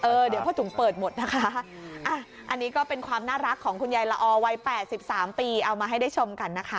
เดี๋ยวพ่อถุงเปิดหมดนะคะอ่ะอันนี้ก็เป็นความน่ารักของคุณยายละออวัย๘๓ปีเอามาให้ได้ชมกันนะคะ